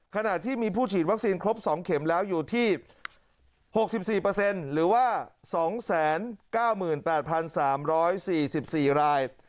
ขณะที่มีผู้ฉีดวัคซีนครบ๒เข็มแล้วอยู่ที่๖๔หรือว่า๒๙๘๓๔๔ราย